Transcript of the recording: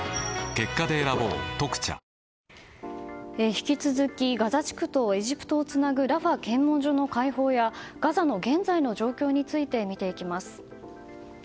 引き続きガザ地区とエジプトをつなぐラファ検問所の開放やガザの現在の状況について見ていきます。